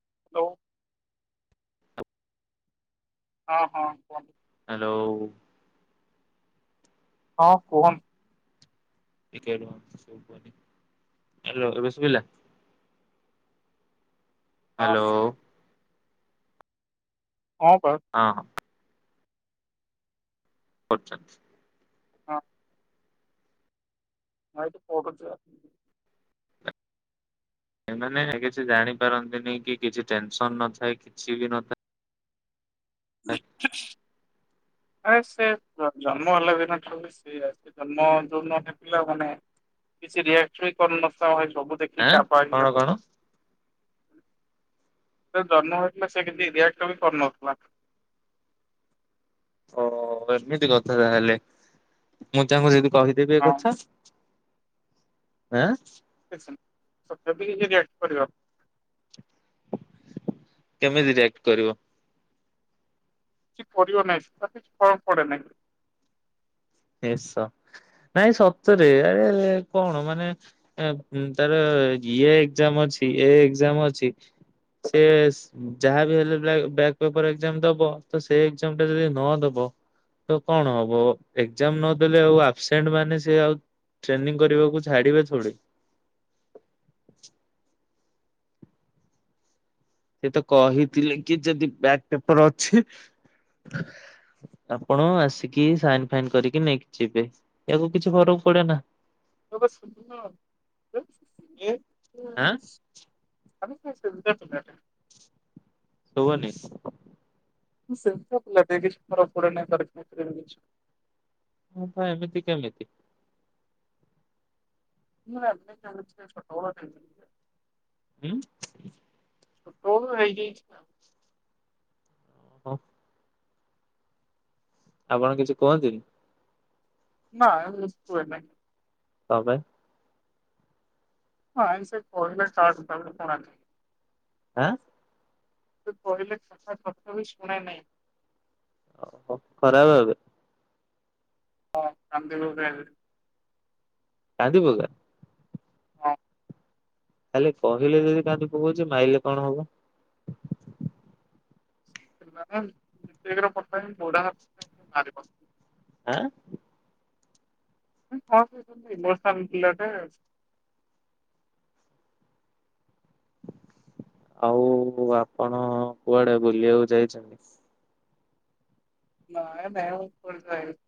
[inaudible] ହଁ ହଁ କୁହନ୍ତୁ। ହ୍ୟାଲୋ। ହଁ କୁହନ୍ତୁ। ଟିକେ ରୁହନ୍ତୁ ଶୁଭୁନି ହ୍ୟାଲୋ ଏବେ ଶୁଭିଲା। ହଁ ହ୍ୟାଲୋ। ହଁ ହଁ ପା। ହଁ। [unintelligible] ହଁ। ଆଜି ପଢୁଚ? ଏମାନେ କିଛି ଜାଣିପାରନ୍ତିନି କି କିଛି ଟେନସନ୍ ନଥାଏ କିଛି ବି ନଥାଏ। ଆଠ୍ ଆରେ ସେ ଜନ୍ମ ହେଲା ଦିନଠାରୁ ବି ସେ ଜନ୍ମ ଯୋନ ପିଲା ମାନେ କିଛି ରିଆକ୍ଟ କରି ନ ଥିବ ସବୁ ଦେଖିବେ। ଆଁ କଣ କଣ? ସେ ଜନ୍ମ ହେଇଥିଲା ସେ କେମିତି ରିଆକ୍ଟ ବି କରୁନଥିଲା। ଓ ଏମିତି କଥା ତାହେଲେ ମୁଁ ଚାହୁଁଛି ସେ କହିଦେବି ଏ ହଁ କଥା ଆଁ ତଥାପି ବି କିଛି ରିଏକ୍ଟ କରିବ। କେମିତି ରିଆକ୍ଟ କରିବ? କିଛି କରିବ ନାହିଁ ସେଟ କିଛି ଫରକ୍ ପଡ଼େ ନାହିଁ। ଏ ସ ନାଇଁ ସତରେ ଆରେ କଣ ମାନେ ତାର ଇଏ ଏକ୍ଜାମ ଅଛି ଏ ଏକଜାମ୍ ଅଛି ସେ ଯାହା ବିି ହେଲେ ବେକ୍ ପେପର ଏକ୍ଜାମ ଦବ ତ ସେଇ ଏକ୍ଜାମ ଟା ଯଦି ନ ଦବ। ତ କଣ ହବ। ଏକ୍ଜାମ ନଦେଲେ ଆଉ ଆବସେଣ୍ଟ ମାନେ ସେ ଆଉ ଟ୍ରେନିଂ କରିବାକୁ ଛାଡ଼ିବେ ଥୋଡ଼ି। ସେ ତ କହିଥିଲେ କି ଯଦି ବ୍ୟାକ୍ ପେପର ଅଛି। ଆପଣ ଆସିକି ସାଇନ ଫାଇନ୍ କରିକି ନେଇକି ଯିବେ ୟାକୁ କିଛି ଫରକ ପଡ଼େନା। ତ ସେଦିନ ଏ ଆଁ ଆରେ ସେ ସେମିତିଆ ପିଲାଟା। ଶୁଭୁନି। ସେମିତିଆ ପିଲା ସେ କହିଲେ ବି ଫରକ୍ ପଡ଼େନି କିଛି। ହ ତ ଏମିତି କେମିତି। ମୁଁ ଭାବେ ତାହା ହେଲେ ଛୋଟ ବେଳରୁ ଏମିତି। ହୁଁ। ହଉ ହୋଇଯାଇଛି। ଓ ହ। ଆପଣ କିଛି କୁହନ୍ତିନି? ନାଁ ଏମିତି କୁହେନି। କଣ ପାଇଁ? ହଁ ସେ କହିଲେ କାହା କଥା ବି ଶୁଣେନି। ଆଁ ସେ କହିଲେ କାହା କଥା ବି ଶୁଣେନି। ଓହୋ ଖରାପ ଏବେ ହଁ ମୁଁ ଗଧିବି ଏବେ। ଗାଧିବ ଏବେ ହଁ। ତାଲେ କହିଲେ ଯଦି କାୁକୁ କଉଛି ମାଇଲେ କଣ ହବ। ଘ ବୋଡା ହାତ ମାର ଆଁ କଣ କଛନ୍ତି ବାନ ପିଲାଟେ। ଆଉ ଆପଣ କୁଆଡେ ବୁଲିବାକୁ ଯାଇଛନ୍ତି? [unintelligible]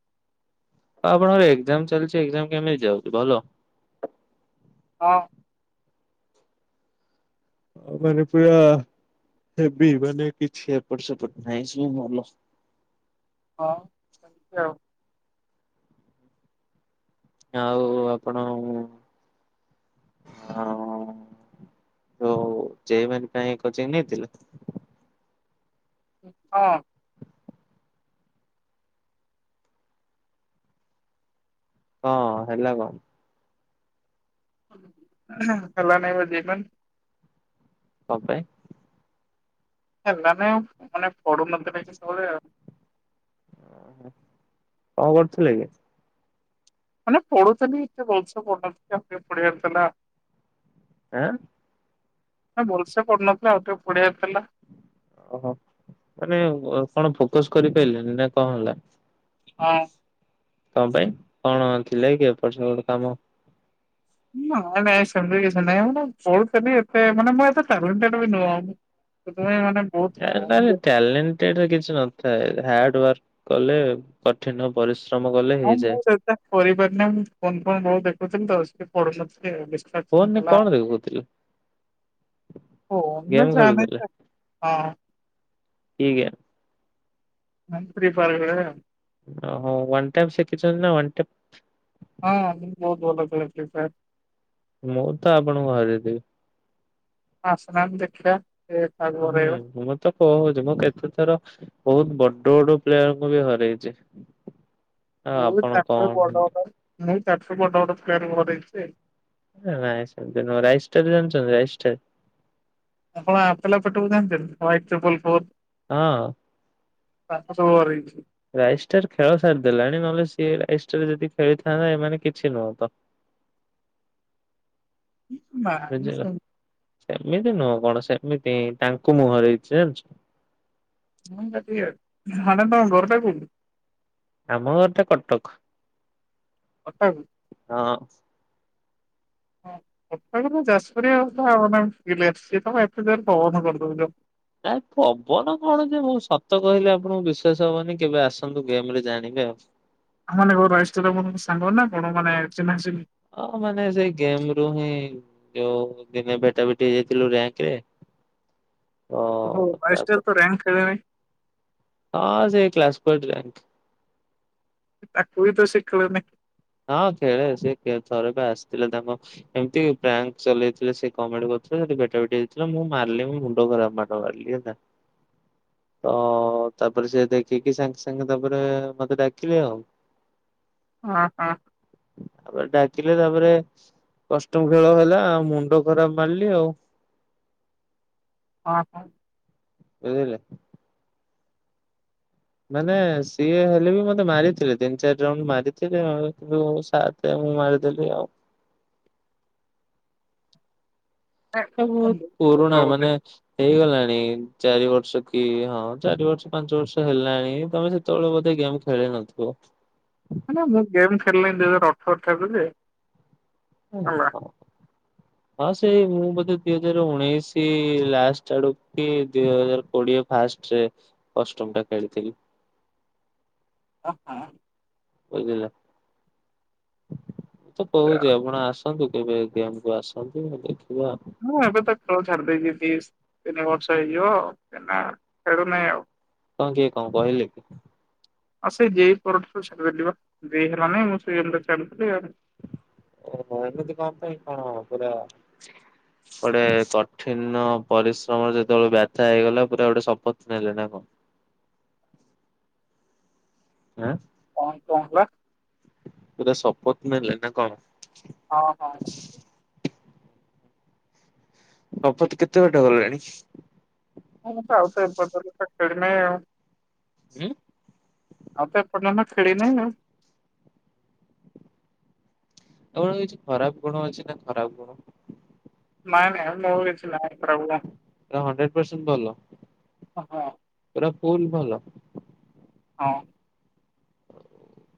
ଆପଣଙ୍କର ଏକ୍ଜାମ ଚାଲିଛି ଏଜାମ କେମିତି ଯାଉଛି ଭଲ। ହଁ। ଆଉ ମାନେ ପୁରା ହେବି ମାନେ କିଛି ଏପଟ ସେପଟ ନାହିଁ ଭଲ। ହଁ ସେମିତି ଆଉ ଆଉ ଆପଣ ହଁ। ମ କୋଚ ନେଇଥିଲା। ହଁ। ହଁ ହେଲା କଣ? ହଁ। ହେଲା ନହି ବଜେପ [unintelligible] [unintelligible] ଓହୋ କଣ କରୁଥିଲେ କି? [unintelligible] ଆଁ ନ ଭଲସେ ପଢୁନଥିଲା ଆଉ ଟିକେ ପଢଆାର ଥିଲା। ଓହୋ ମାନେ କଣ ଫୋକସ କରିପାରିଲନି ନା କଣ ହେଲା? ହଁ। ତଣ ପାଇଁ କଣ ଥିଲେ କିଏ ଏପର୍ଯ୍ୟନ୍ତ ଗ କାମ ନାଇଁ ନାଇଁ ସେମିତି କିଛି ନାଇଁ ମାନେ ପଢୁଥିଲି ଏତେ ଏ ନହଁ ମୁଁ [unintelligible] କମ୍ ଲେ ଯଦି ଟ୍ୟାଲେଟ କିଛି ନଥାଏ ହାର୍ଡ ୱାର୍କ କଲେ କଠିନ ପରିଶ୍ରମ କଲେ ହଁ ମୁଁ ହେଇଯାଏ। ସେଟା କରିପାରିନି ମୁଁ ଫଣ କଣ ବହୁତ ଦେଖୁଥିଲି ତ ସଏ ପଢୁନଥିଲେ। କୁହି କଣ ଦେଖ କହୁଥିଲେ? ଗେମ୍ ଖେଳୁଥିଲେ [unintelligible] କିଏ କିଏ? [inaudible] ଓ ହୋ ୱାନ୍ ଟାଇମ୍ ଶିଖିଛନ୍ତି ନାୱ ଟ ହଁ ବହୁତ ଭଲ ଖି ସାର୍। ମୁଁ ତ ଆପଣଙ୍କୁ ଘରେ ଦେବି। ଆସନାମ ଦେଖିବା। ଏ କାହାକୁ ହରେଇବା ହୁଁ ମ। ତ କହୁଛି ମୁଁ କେତେଥର ବହୁତ ବଡ ବଡ ପ୍ଲେୟରଙ୍କୁ ବି ହରଇଛି। [inaudible] ମୁଁ ଚାରିଶହ ବଡ ବଟ ମୁଁ ଚାରିଶହ ବଡ ବଟ ପ୍ଲନ୍ କରେଇଛି। ନାଇଁ ସେମତି ନାଇ ରାଇସ୍ତାର ଜାଣିଛନ୍ତି? ରାଇଷ୍ଟର। ଆପଣ [unintelligible] ହଁ। ସାତଶ ଓ ଆର ହେଇଛି। ରାଇଷ୍ଟାର ଖେଳ ସାରିଦେଲାଣି ନହେଲେ ସିଏ ରାଇଷ୍ଟ ଯଦି ଖେଳିଥାନ୍ତା ଏମାନେ କିଛି ନୁହଁ ତ। ବୁଝିଲ। ସେମିତି ନୁହଁ ଗଣେଶ ଭାଇ ତାଙ୍କୁ ମୁଁ ହରେଇଛି ଜାଣିଛ। ମୁଁ [unintelligible] ଆମ ଘରଟା କଟକ। କଟନ୍। ହଁ। ହଁ କଟକ ରୁ ଯାଜପୁରିଆ [unintelligible] ପବନ କରି ଦଉଛ। ନାଇ ପବନ କଣ ଯେ ମୁଁ ସତ କହିଲେ ଆପଣଙ୍କୁ ବିଶ୍ୱାସ ହବନି କେବେ ଆସନ୍ତୁ ଗେମ ରେ ଜାଣିବେ ଆଉ। ଆ ମାନଙ୍କର ରାଇଷ୍ଟର ମାନ ସାଙ୍ଗ ନା କଣ ମାନେ ଚିହ୍ନା ଚିହ୍ନି। ହଁ ମାନେ ସେଇ ଗେମ ରୁ ହିଁ ଯୋଉ ଦିନେ ଭେଟା ଭେଟି ହେଇ ଯାଇଥିଲୁ ରାଙ୍କରେ। ହ ତାପରେ ବାଇଷ୍ଟରଙ୍କ ତ ରାଙ୍କ ହେଇ ଗଲାଣି। ହଁ ସେ କ୍ଲାସପୋର୍ଟ ର୍ୟାଙ୍କ। ତାକୁ ବି ତ ଶିଖିଲୁନି? ହଁ ଖେଳେ ସେ ଥରେ ବି ଆସିଥିଲେ ତାଙ୍କ ଏମିତି ପ୍ରାଙ୍କ ଚଲେଇଥିଲେ ସେ କମେଡି କରୁଥିଲେ ସେଠି ଭେଟା ଭେଟି ଯାଇଥିଲା ମୁଁ ମାରିଲି ମୁ ମୁଣ୍ଡ ଖରାପ ମାଡ ମାରିଲି ହେଲା। ହଁ ତ ତାପରେ ସେ ଦେଖିକି ସାଙ୍ଗେ ସାଙ୍ଗେ ତାପରେ ମତେ ଡାକିଲେ ଆଉ। ହଁ ହଁ। ତାପରେ ଡାକିଲେ ତାପରେ କଷ୍ଟମ ଖେଳ ହେଲା ଆଉ ମୁଣ୍ଡ ଖରାପ ମାରିଲି ଆଉ। ହଁ ହଁ। ବୁଝିଲ। ମାନେ ସିଏ ହେଲେ ବି ମତେ ମାରିଥିଲେ ତିନି ଚାରି ଜଣ ମାରିଥିଲେ [unintelligible] ସେ ମୁଁ ମାରିଦେଲି ଆଉ। ଏ ବ ପୁରୁଣା ବୋଧେ। ମାନେ ହେଇଗଲାଣି ଚାରି ବର୍ଷ କି ହଁ ଚାରି ବର୍ଷ ପାଞ୍ଚ ବର୍ଷ ହେଲାଣି ତମେ ସେ ତମେ ବଧେ ଗେମ ଖେଳି ନଥିବ। ନା ମୁଁ ଗେମ୍ ଖେଳିଲିଣି ଦୁଇ ହଜାର ଅଠରଠାରୁ ଯେ। ହେଲା। ଆଛା। ହଁ ସେଇ ମୁଁ ବୋଧେ ଦିଇ ହଜାର ଉଣେଇଶି ଲାଷ୍ଟ ଆଡକୁ କି ଦିଇ ହଜାର କୋଡିଏ ଫାଷ୍ଟରେ କଷ୍ଟମଟା କରିଥିଲି। ହଁ ହଁ। ବୁଝିଲ ମୁଁ ତ କହୁଛି ଆପଣ ଆସ ତ କେବେ ଗେମ୍ କୁ ଆସନ୍ତୁ ଦେଖିବା ଆଉ। ହଁ ଏବେ ତ ଖେଳ ଛାଡି ଦେଇଛି ଦି ତିନି ବର୍ଷ ହେଇଯିବ କାଇଁ ନା ଖେଳୁନି ଆଉ। କଣ କିଏ କଣ କହିଲେ କି? ଆଉ ସେଇ ଗେଟ୍ ପରଠାରୁ ଛାଡିଦେଲି ବା ଜେଇ ହେଲାନି ମୁଁ ସେ ଛାଡିଦେଲି ଆଉ ଓଏମିତି କଁ ପେଇଁ କଁ ପୁରା ଗୋଟେ କଠିନ ପରିଶ୍ରମର ଯେତେବେଳେ ବାଥା ହେଇଗଲା ପୁରା ଗୋଟେ ଶପଥ ନେଲେ ନା କଣ? ଆଁ। କାଇଁ କଣ ହେଲା? ପୁରା ଶପଥ ନେଲେ ନା କଣ? ହଁ ହଁ। ଶପଥ କେତେ ବାଟ ହେଲାଣି? ହଁ ମୁଁ ତ ଆଉ ତ ଏବେ ପର୍ଯ୍ୟନ୍ତ ଖେଳି ନାହିଁ ଆଉ। ଉଁ ଆଉ ତ ଏର୍ଯ୍ୟନ୍ତ ଖେଳିନ ଆଉ। ଏବେ କିଛି ଫରକ୍ ପଡୁନି ସେଇଟା ଖରାପ [unintelligible] ନାଇଁ ନାଇଁ ମୋର କିଛି ନାହିଁ ଖରାପ ଗୁଣ ପୁରା ହଣ୍ଡ୍ରେଡ ପରସେଣ୍ଟ ଭଲ ହଁ ହଁ। ପୁରା ଫୁଲ ଭଲ। ହଁ।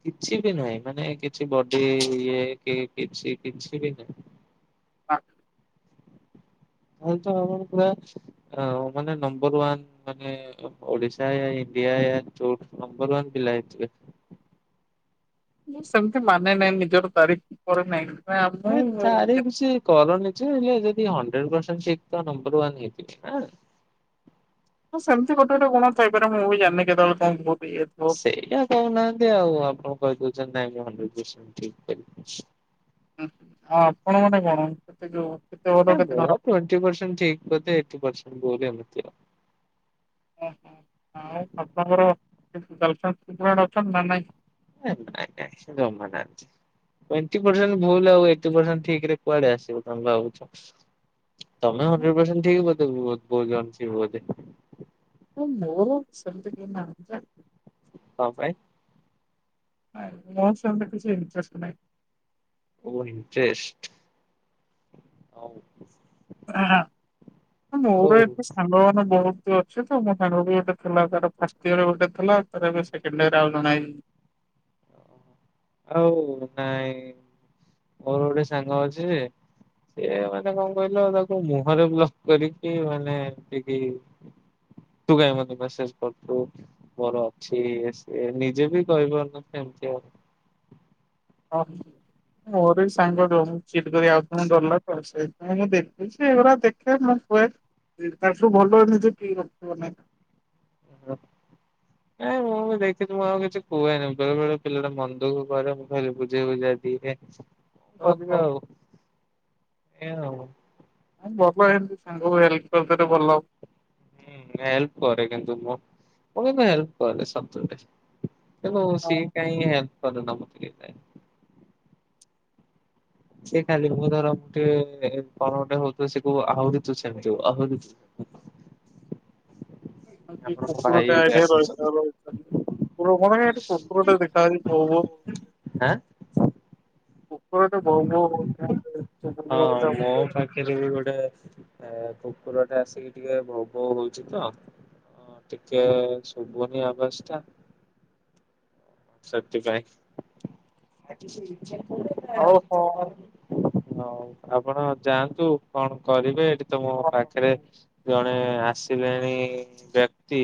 କିଛି ବି ନୁହେଁ ମାନେ କିଛି ବଡି ଇଏ କି କିଛି କିଛି ବି ନାହିଁ। ହଁ। [unintelligible] ମାନେ ନମ୍ବର ୱାନ ମାନେ ଓଡିଶା, ଇଣ୍ଡିଆ, ନମ୍ବର ୱାନ ପିଲା ହେଇଥିବେ। ମୁଁ ସେମିତି ମାନେ ନାହିଁ ନିଜର ତାରିଫି କରେ ନାହିଁ। ଏ ତାରିଫ ବି ସି କରନି ଯେ ଯଦି ହଣ୍ଡ୍ରଟେ ପ୍ରଶେଣ୍ଟ୍ ଠିକ୍ ତ ନମ୍ବର ୱାନ ହେଇଥିବ ନାଁ। ହଁ ସେମିତି ଗୋଟେ ଗୋଟେ ଗୁଣ‌ଥାଇପାରେ ମୁଁ ବି ଜାଣିନି କେତେବେଳେ କଣ [unintelligible] ସେଇଟା କହୁନାହାନ୍ତି ଆଉ ଆପଣଙ୍କୁ କହି ଦଉଛନ୍ତି। ନାଇଁ ମୁଁ ହଁ ଆପଣ ମାନେ କଣ କେତେ ଯୋଉ କେତେ [unintelligible] ଏଇଟି ପ୍ରସେଣ୍ଟ ଠିକ୍ ବୋଧେ ଏଇଟି ପ୍ରସେଣ୍ଟ୍ ଭୁଲ୍। ଓହୋ ଆଉ ଆପଣଙ୍କର କେହି ଗାର୍ଲଫ୍ରେଣ୍ଡ ଅଛନ୍ତି ନା ନାଇଁ? ଏ ନାଇଁ ନାଇଁ ଯମା ନାହିଁ। ଟ୍ୱେନ୍ତି ପ୍ରସେଣ୍ଟ ଭୁଲ ଆଉ ଏଇଟି ପ୍ରସେଣ୍ଟ ଠିକ୍ ରେ କୁଆଡେ ଆସିବ ତମେ ଭାବୁଛ। ତମେ ହଣ୍ଡ୍ରେଟେ ପରର୍ସେଣ୍ଟ୍ ଠିକ୍ ବୋଧେ [unintelligible] ବୋଲି। ହଁ ମୋର ସେମିତି କେହି ନାହାନ୍ତି ଗାର୍ଲଫ୍ରେଣ୍ଡ କଣ ପାଇଁ? [unintelligible] ମୋର ସେମିତି କିଛି ଇଣ୍ଟ୍ରେଷ୍ଟ୍ ନାହିଁ। ଓ ଇଣ୍ଟ୍ରେଷ୍ଟ ହଁ ହଁ ଆଉ ମୋର ଏତେ ସାଙ୍ଗ ମାନେ ବହୁତ୍ ତୁ ଅଛୁ ତ ମୋ ସାଙ୍ଗ ବି ଗୋଟେ ଥିଲା ତାର ଫାଷ୍ଟ୍ ଇୟର ଗୋଟେ ଥିଲା ତାର ବି ସେକେଣ୍ଡ ଇୟର ଆଉ ଜଣେ ଆଇଲା। ଆଉ ନାଇଁ ମୋର ଗୋଟେ ସାଙ୍ଗ ଅଛି। ଯେ ସେ ମାନେ କଣ କହିଲ ତାକୁ ମୁହଁରେ ବ୍ଲକ୍ କରିକି ମାନେ ଏମିତି ତୁ କାଇଁ ମତେ ମେସେଜ୍ କରୁଛୁ। ମୋର ଅଛି ଇଏ ସିଏ ନିଜେ ବି କହିପାରୁନି ସେମିତି ଆଉ ହଁ। ମୋର ବି ସାଙ୍ଗ ରହୁଚି ଏନୁ କରି ଆଉ କଣ ଡର ଲାଗିବ ତ ସେଇଥିପାଇଁ ମୁଁ ଦେଖୁଛି ଏଗୁରା ଦେଖୁ [unintelligible] [unintelligible] ନାଇଁ ମୁଁ ବି ଦେଖିଥିଲି ମୁଁ ଆଉ କିଛି କୁହେନି ବେଳେ ବେଳେ ପିଲାଟା ମନ ଦୁଖଃ କରେ ମୁଁ ଖାଲି ବୁଝେଇ ବୁଝାଦିଏ। କରିବା ଓହୋ ଏଆଉ [unintelligible] ଭଲ। ହୁଁ ହେଲ୍ପ୍ କରେ କିନ୍ତୁ ମୁଁ ମୁଁ କିନ୍ତୁ ହେଲ୍ପ କରେ ସତରେ ତେଣୁ ସେ କାହିଁ ହେଲ୍ପ୍ କରିଦେବ ଟିକେ ସେଇ ଖାଲି ମୁଁ ଧର ଗୋଟେ କଣ ଗୋଟେ ହଉଥିବ ସେ କହିବ ଆହୁରି ତୁ ଆହୁରି ଆପଣ ମୋ ଭାଇ କୁକୁରଟା ଏବେ ଆଇଲା ଆସିଛନ୍ତି। ରହିଥା ରହିଥା କୁକୁର [unintelligible] କୁକୁରଟା [unintelligible] ଭୋ ଭୋ। ଆଁ। କୁକୁର ଟା ଭୋ ହଁ ଭୋ [unintelligible] [unintelligible] ଗୋଟେ ଏ କୁକୁରଟେ ଆସିକି ଟିକେ ଭୋ ଭୋ ହଉଛି ତ ହଁ ଟିକେ ଶୁଭୁନି ଆବାସ୍ ଟା ସେଥିପାଇଁ [unintelligible] ଓହୋ ହଁ ଆପଣ ଯାଆନ୍ତୁ କଣ କରିବେ ଏଠି ତ ମୋ ହଁ। ପାଖରେ ଜଣେ ମାନେ ଆସିଲେନି ବ୍ୟକ୍ତି।